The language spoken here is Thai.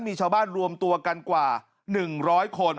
มีชาวบ้านรวมตัวกันกว่า๑๐๐คน